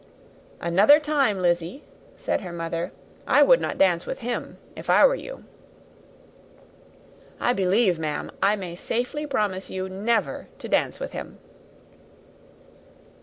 "Another time, Lizzy," said her mother, "I would not dance with him, if I were you." "I believe, ma'am, I may safely promise you never to dance with him."